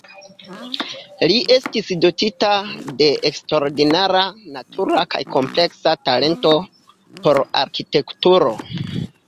Li estis dotita de eksterordinara, natura kaj kompleksa talento por arkitekturo.